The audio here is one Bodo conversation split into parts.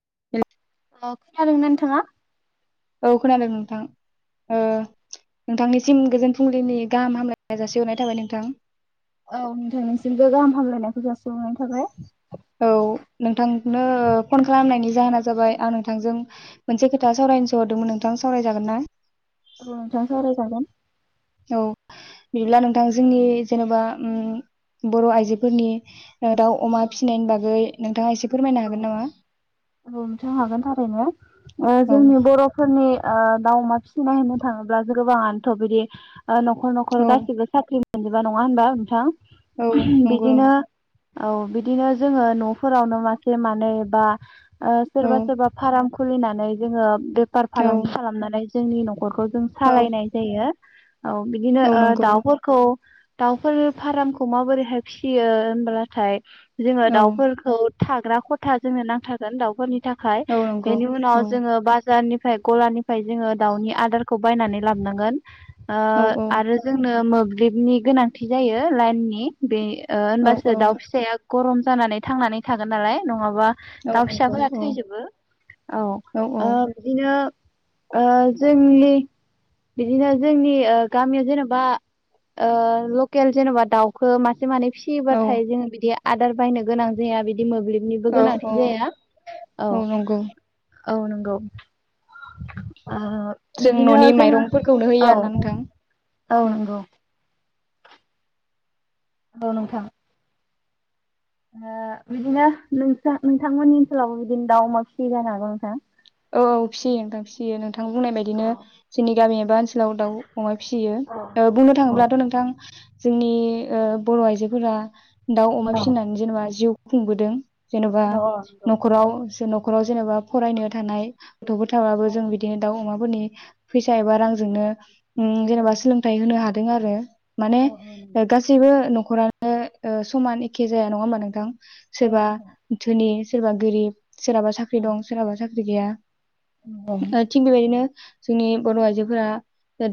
[inaudible] अ खोनादोंना नोंथाङा? औ खोनादों नोंथां। ओ नोंथांनिसिम गोजोन फुंलिनि गाहाम हामलायनाय जासिहरनाय थाबाय नोंथां। औ नोंथां नोंसिमबो गाहाम हामलायनायखौ जासिहरनायनि थाबाय। औ नोंथांनो फन खालामनायनि जाहोना जाबाय आं नोंथांजों मोनसे खोथा सावरायनो सोहरदोंमोन नोंथां सावरायजागोन ना? औ नोंथां सावरायजागोन औ बिदिब्ला नोंथां जोंनि जेनेबा उम बर' आइजोफोरनि ओ दाउ अमा फिसिनायनि बागै नोंथाङा एसे फोरमायनो औ हागोन नामा औ नोंथां हागोन थारैनो। ओ औ जोंनि बर'फोरनि ओ दाउ अमा फिसिनाय होनो थाङोब्लासो गोबाङानोथ' बिदि ओ न'खर न'खर औ गासिबो साख्रि मोनजोबा नङा होनबा नोंथां? औ नंगौ नंगौ। बिदिनो औ बिदिनो जोङो न'फोरावनो मा मासे मानै बा ओ औ सोरबा सोरबा फाराम खुलिनानै जोङो बेफार औ फालांगि खालामनानै जोंनि नखरखौ जों सालायनाय जायो। औ बिदिनो औ ओ नंगौ दाउफोरखौ दाउफोर फार्मखौ माबोरैहाय फिसियो होनब्लाथाय जोङो औ दाउफोरखौ थाग्रा खथा जोंनो नांथागोन दाउफोरनि थाख खाय नंगौ बेनि औ उनाव जोङो बाजारनि फाय गलानिफ्राय जोङो दाउनि आदारखौ बायनानै लाबोनांगोन। ओ औ आरो जोंनो मो ललिपनि गोनांथि जायो लाइननि बे ओ औ औ होनबासो दाउ फिसाया गरम जानानै थांनानै थागोन नालाय नङाबा माबा औ दाउ नंगौ फिसाफोरा औ थैजोबो औ ओ बिदिनो ओ जोंनि बिदिनो जोंनि ओ गामियाव जेनेबा ओ लकेल जेनेबा दाउखो मान माने औ फिसियोबाथाय जोङो बिदि आदार बायनो गोनां जाया बिदि [unintelligible] निबो औ औ गोनांथि जाया औ नंगौ औ औ नंगौ ओ जों बिदिनो ननि जोङो माइरंफोरखौनो औ होयो आरो ना नोंथां औ औ नोंथां ओ बिदिनो नों नोंथांमोननि ओनसोलावबो बिदिनो दाउ अमा फिसि जानो हागौ नोंथां औ औ फिसियो नोंथां फिसियो नोंथां बुंनाय बायदिनो जोंनि गामि एबा ओनसोलाव दाउ अमा फिसियो बुंनो थाङोब्लाथ नोंथां जोंनि ओ बर' आइजोफोरा दाउ अमा औ फिसिनानै जेनेबा जिउ खुंबोदों जेनेबा नंगौ नखराव न'खराव जेनेबा फरायनो नाय गथफोर थाब औ जों बिदिनो दउ अमा फोरनि फैसा एबा रांजोंनो ओम जेनेबा सोलोंथाइ होनो हागोन दों आरो माने औ नंगौ औ नोंथां गासैबो न'खरानो ओ समान एखे जाया नङा होमबा नोंथां सोरबा दोनि सोरबा गोरिब सोरहाबा साख्रि दं सोरहाबा साख ख्रि गैया ओ थिख बेबादिनो जोंनि बर' आइजोफोरा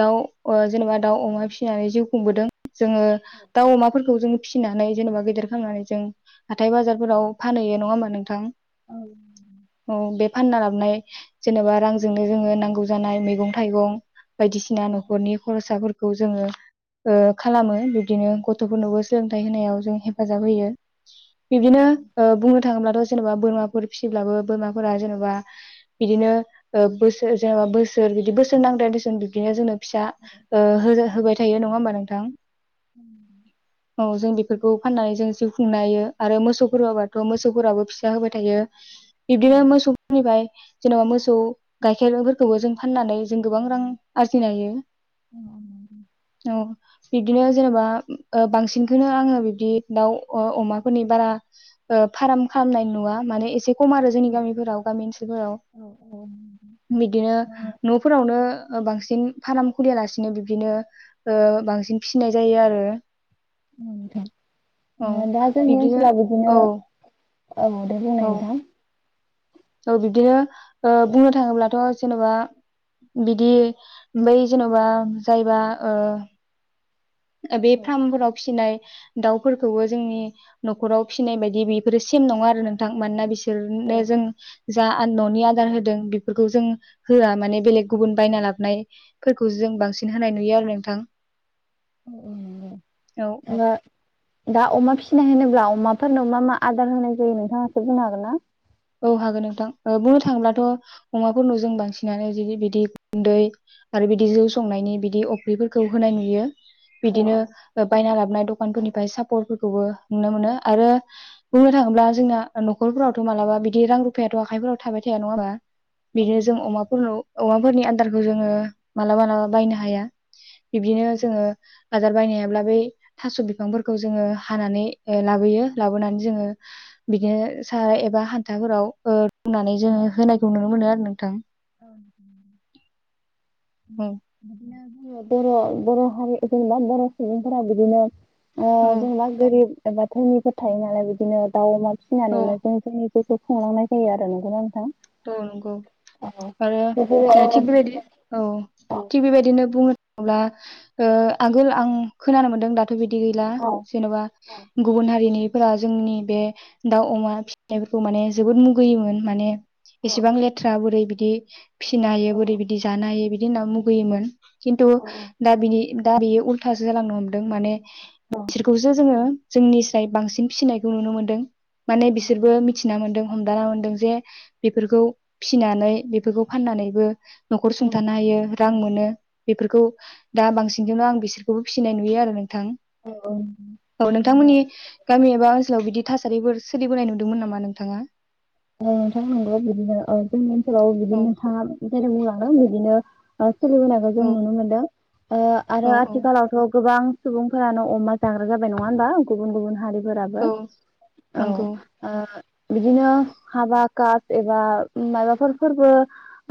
दाउ जेनेबा दाउ अमा फिसिनानै जिउ खुंबोदों जोङो दाउ अमाफोरखौ जों फिसिनानै जेन'बा गेदेर खांनानै जों हाथाय बाजारफोराव फानहैयो नङा हा नोंथां औ बे फानना लाबनाय जेनेबा रांजोंनो जोंङो नांगौ जानाय मैगं थाइगं बायदिसिना नखरनि खरसा खौ जोंङो खालामो बिब्दिनो गथफोरनोबो सोलोंथाइ होनायाव जों हेफाजाब होयो बिदिनो ओ बुं थाङोब्लाथ जेनेबा बोराफोर फिसिब्लाबो बोराफोरा जेनेबा बिदिनो बोसोर जेनेबा बोसोर बि बोसोर नांद्रायस बिदिनो जो फिसा होबाय थायो नंङा होमबा नोंथां औ जों बेफोरखौ फाननानै जों जिउ खुंनो हायो आरो मोसौफोरआबाथ मोसौफोराबो फिसा होबाय थायो बिदि मोसौ फनिफ्राय जेनेबा मोसौ गाइखेरफोरखौबो जों फाननानै जों गोबां रां आरजिनो हायो औ बिब्दिनो जेनेबा बांसिनखौनो आंङो बिबदि दाउ अमाफोरनि बारा फार्म खालामनाय नुवा माने एसे खम आरो जोंनि गामिफोराव गामिफोराव औ औ ओ बिदिनो नफोरावनो बांसिन फार्म खुलियालासिनो बिबदिनो बांसिन फिनाय जायो आरो [unintelligible] औ थां दा जोंनि बिब्दिनो ओनसोलाव बिदिनो औ औ दे बुंनाय औ नोंथां औ बिदिनो बुंनो थांङोब्लाथ जेनबा बिदि बै जेनबा जायबा ओ बे फार्मफोराव फिसिनाय दाउफोरखौबो जोंनि नखराव फिसिनाय बायदि बेफोरो सेम नंङा आरो नोंथां मानोना बिसोरनो जों जा ननि आदार होदों बेफोरखौ जों होआ माने बेलेग गुबुन बायना लाबनायफोरखौ जों बांसिन होनाय नुयो आरो नोंथां [unintelligible] औ औ दा अमा फिसिनाय होनोब्ला अमाफोरनो मा मा आदार होनाय जायो नोंथाङासो बुंनो हागोन ना औ हागोन नोंथां बुंनो थांङोब्लाथ अमाफोरनाव जों बांसिनानो बिदि गुन्दै आरो बिदि जौ संनायनि बिदि अफ्रिफोरखौ होनाय नुयो बिदिनो बायना लाबनाय दख दखानफोरनिफ्राय सापर्टफोरखौबो नुनो मोनो आरो बुंनो थांङोब्ला जोंना न'खरफोरावथ मालाबा बिद दि रां रुफायाथ' आखाइफोराव थाबाय थाया नङा होमबा बिदिनो जों अमाफोराव अमा फोरनि आदारखौ जों मालाबा मालाबा बायनो हाया बिबदिनो जोङो आदार बायनो हायाब्ला बै थास' बिफांफोरखौ जोङो हानानै लाबोयो लाबोनानै जोङो बिदिनो सा एबा खान थाफोराव ओ रुनानै जोङो होनायखौ नुनो मोनो आरो नों थां। [inaudible] औ बिदिनो बर' बर' हारि जेनबा बर' सुबुंफोरा बिदिनो ओ औ जोंना गोरिब बा धोनिफोर थायो नालाय बिदिनो दाउ अमा औ फिनानैनो जों जोंनि जिउखौ खुंलांनाय जायो आरो नोंगौना नोंथां। औ नंगौ। आरो बिदिनो थिग बेबायदि औ थिग बेबायदिनो बुङो अब्ला ओ आगोल आं खोनानो मोनदों दा थ' बिदि गैला औ जेन'बा गुबुन हारिनि फोरा जोंनि बे दाउ अमा फिनायफोरखौ माने जोबोद मुगैयोमोन माने इसेबां लेथ्रा बोरै बिद दि। फिसिनो हायो बोरै बिदि जानो हायो बिदि बिदि होनना मुगैयोमोन। खिनथु दाबिदि दा बेयो उल्थासो जालांनो हमदों माने बिसोरखौसो जोङो जोंनिस्राय बांसिन फिसिनायखौ नुनो मोनदों। माने बिसोरबो मिथिना मोन्दों हमदांना मोनदों जे बिफोरखौ फिनानै बेफोरखौ फाननानैबो न'खर सुंथानो हायो। रां मोनो बेफोरखौ दा बांसिनजों आं बिसोरखौबो फिसिनाय नुयो आरो नों थां औ औ नोंथांमोननि गामि एबा आथिखलाव बिदि थासारिफोर सोलिबोनाय नुदोंमोन नामा नोंथाङा? औ नोंथां नंगौ बिदिनो ओ जोंनि ओनसोलाव बिदि औ नोंथाङा जेरै बुंलांदों बिदिनो ओं सोलिबोनायखौ जों औ नुनो मोनदों ओ आरो औ औ आथिखालावथ' गोबां सुबुंफोरानो अमा जाग्रा जाबाय नङा होनबा? गुबुन गुबुन हारिफोराबो औ औ नंगौ ओ बिदिनो हाबा कास एबा मायबाफोर फोरबो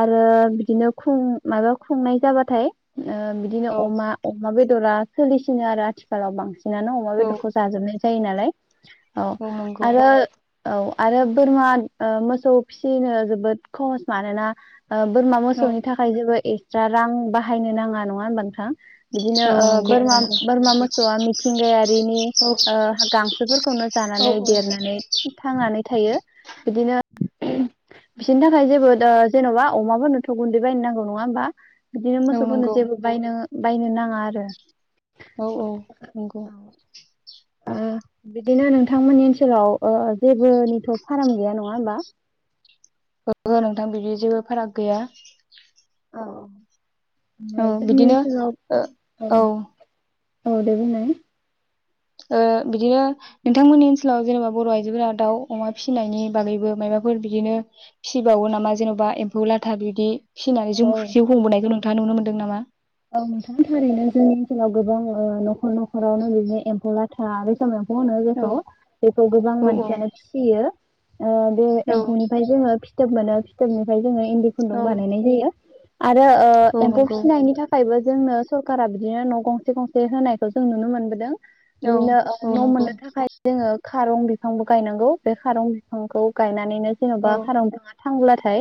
आरो बिदिनो खुं मायबा खुंनाय जाबाथाय । ओ बिदिनो औ अमा अमा बेदरा सोलिसिनो आरो आथिखालाव बांसि नानो अमा औ बेदरखौ जाजोबनाय जायो नालाय । औ आरो औ आरो बोरमा ओ मोसौ फिसिनो जोबोद खहस मानोना ओ बोरमा औ मोसौनि थाखाय जोङो ए जा रां बाहायनो नाङा नङा होमबा नोंथां? बिदिनो औ ओ नंगौ नंगौ बोरमा-बोरमा मोसौआ मिथिंगायारिनि औ ओ गांसोफोरखौनो औ जानानै देरनानै थांनानै थायो। [inaudible] बिसोरनि थाखाय जेबो दा जेन'बा अमाफोरनोथ' गुन्दै बायनो नांगौ नङा होमबा? बिदिनो औ मोसौफोरनो नंगौ जेबो बायनो बायनो नाङा आरो औ-औ नंगौ, ओ बिदिनो नोंथांमोननि ओनसोलाव ओ ओ जेबो निथ' फार्म गैया नङा होमबा? नंगौ नोंथां बिदि जेबो फाराग गैया। औ औ जोंनि बिदिनो ओनसोलाव ओ औ । औ दे बुंनाय । ओ बिदिनो नोंथांमोननि ओनसोलाव जेनेबा बर' आइजोफोरा दाउ अमा फिसिनायनि बागैबो मायबाफोर बिदिनो फिसिबावो नामा जेन'बा एम्फौ लाथा बिदि । फिनानै जोंख जिउ खुंबोनायखौ नों थाङा नुनो मोनदों नामा? औ नोंथां थारैनो जों ओनसोलाव गोबां ओ न'खर न'खरावनो बिदिनो एम्फौ लाथा बे समायाव फानो औ जेखौ गोबां औ औ मानसियानो फिसियो । ओ बे औ एम्फौनिफाय जोङो फिद थोब मोनो फिथोबनि फाय जोङो इन्दि खुन्दुं औ बानायनाय जायो । आरो ओ औ एम्फौ नंगौ फिसिनायनि थाख बो जोंनो सरकारा बिदिनो न' गंसे गंसे होनायखौ जों नुनो मोनबोदों । औ बिदिनो ओ औ न' नंगौ मोननो थाखाय जोङो । खारं बिफांबो गायनांगौ बे खारं बिफांखौ गायना नानैनो जेनबा औ खारं बिफांआ थांब्लाथाय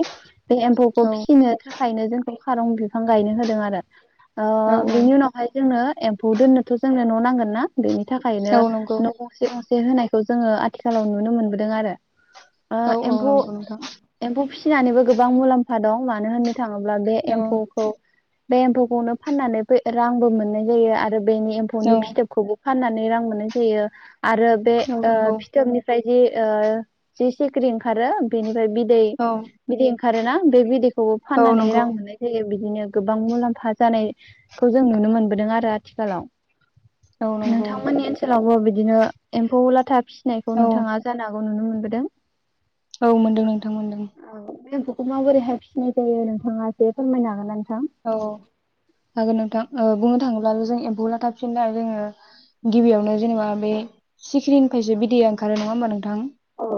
बे एम्फौखौ औ फिसिनो थाख खायनो जोंखौ खारं बिफां गायनो होदों आरो ओ औ बिनि उनावहाय जोंनो एम्फौ दोननोथ' जोंनो न' नांगोन ना बेनि थाखायनो औ नंगौ न' गंसे गंसे होनाय खौ जोङो आथिखालाव नुनो मोनबोदों आरो ओ औ औ एम्फौ नंगौ नोंथां एम्फौ फिस फिनानैबो गोबां मुलाम्फा दं मानो होनो थाङोब्ला बे औ एम्फौखौ बे एम्फौखौनो फाननानै बे रांबो मोननाय जायो आरो बेनि एम्फौनि औ फिथोबखौबो फाननानै रां मोननाय जायो । आरो बे औ ओ नंगौ फिथोबनिफ्राय जि ओ जि सिख्रि ओंखारो बेनिफ्राय बिद दै औ बिदै ओंखा खारोना बे बिदैख खौबो औ फाननानै नंगौ रां मोननाय जायो बि बिनिया गो गोबां मुलाम्फा जानायखौ जों नुनो मोनबोदों आरो औ आथिखालाव नंगौ नोंथांमोननि ओनसोलावबो बि बिदिनो एम्फौ लाथा फिनायखौ औ नोंथाङा जानांगौ अ नुनो मोनबोदों औ मोनदों नोंथां मोनदों खौ माबोरैहाय फिनाय जायो नोंथाङा एसे फोरमायनो हागोना नोंथाङा औ हागोन नोंथां बुंनो थाङो अब्ला जों एम्फौ लाथाफिना जोङो गिबियावनो जेनेबा बे सिक्रिनिफ्रायसो बिदैया ओंखारो नङा होमबा नोंथां औ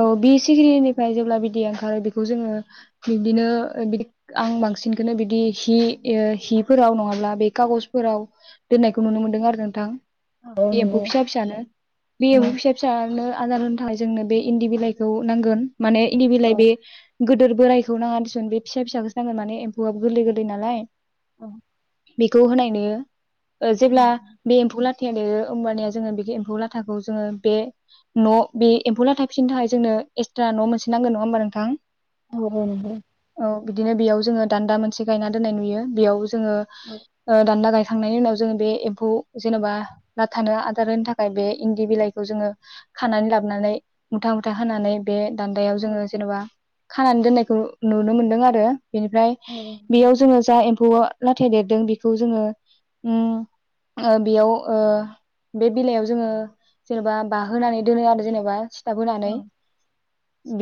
औ बि सिगिरिनिफ्राय जेब्ला बिदिया ओंखारो बेखौ जोङो बिदिनो आं बांसिन बांसिनखौनो बिदि हि हिफोराव नङाब्ला बे खागजफोराव दोननायखौ नुनो मोनदों आरो नोंथां औ बे एम्फौ नंगौ फिसा फिसानो बे एम्फौ फिसा फिसानो आदार होनो थाखाय जोंनो बे इन्दि बिलाइखौ नांगोन माने इन्दि बिलाइ औ बे गोदोर बोरायखौ नाङा दिसुन बे फिसा फिसाखौ नांगोन माने हौहाब गोरलै गोरलै नालाय औ बेखौ होनायनो जेब्ला बे एम्फौला फे देरो होमबानिया जोङो बे एम्फौ लाथाखौ जोङो बे न' बे एम्फौ लाथा फिसिनो थाखाय जोंनो एक्सट्रा न' मोनसे नांगोन नङा होमबा नोंथां औ औ नोंथां बिदिनो बेयाव जोङो दान्दा मोनसे गायना दोननाय नुयो बेयाव जोङो दान्दा गाय थांनायनि उनाव जोङो बे एम्फौ जेनेबा लाथानो आदार होनो थाखाय बे इन्दि बिलाइखौ जोङो खानानै लाबोनानै मुथा मुथा होनानै बे दान्दायाव जोङो जेनेबा खानानै दोननायखौ नुनो मोनदों आरो बेनिफ्राय बेयाव जोङो जा एम्फौ लाथाया देरदों बेखौ जोङो बेयाव ओ बे बेलायाव जोङो जेनेबा बाहोनानै दोनो आरो जेनेबा सिथाब होनानै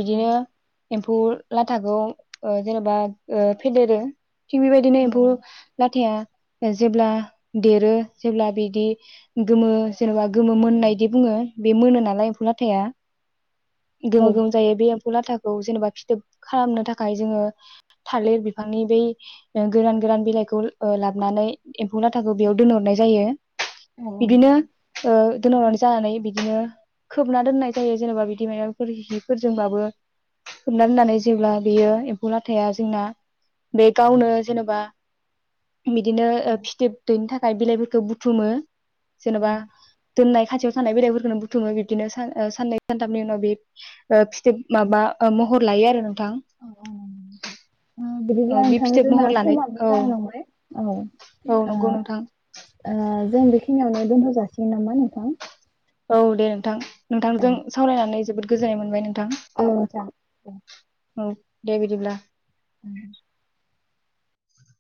बिदिनो एम्फौ लाथाखौ जेनेबा फेदेरो थिग बेबायदिनो एम्फौ लाथाया जेब्ला देरो जेब्ला बिदि गोमो जेनेबा गोमो मोननायदि बुङो बे मोनो नालाय एम्फौ लाथाया गोमो गोमो जायो बे लाथाखौ जेनेबा फिथोब खालामनो थाखाय जोङो थालिर बिफांनि बै गोरान गोरान बिलाइखौ लाबानै एम्फौ लाथाखौ बेयाव दोनहरनाय जायो बिदिनो दोनहरनानै जानानै बिदिनो खोबना दोननाय जायो जेनेबा बिदि माइाफोर हिफोरजोंबाबो । खोबनानै दनानै जेब्ला बेयो उला थाया जोंना बे गावनो जेनेबा बिदिनो फिथोब दैनि थाख खाय बिलाइफोरखौ बुथुमो जेनेबा दोननाय खाथियाव थानाय बेरायइफोरखौनो बुथुमो बिदिनो सान ओ साननै सानथामनि उनाव बे ओ फिथोब माबा महर लायो आरो नोंथां । औ औ अ । आ बिदिब्ला औ बे नोंथां फिथोब जोंना महर लानाय समाबो औ जालायलांबाय औ औ आ नंगौ नोंथां आ जों खिनियावनो दोनथ' जासिन नामा नो ओं । औ दे नोंथां नोंथांजों सावरायनानै जोबोद गोजोननाय मोनबाय नोंथां औ नोंथां। । औ दे बिदिब्ला । उम